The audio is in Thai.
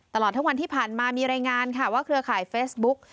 ตลอดทั้งวันที่ผ่านมามีรายงานค่ะว่าเครือข่ายเฟซบุ๊ก